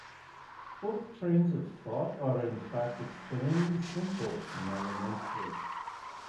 Both trains of thought are in fact extremely simple and elementary.